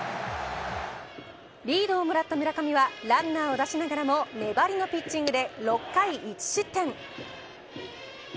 リードをもらった村上はランナーを出しながらも粘りのピッチングで６回１失点。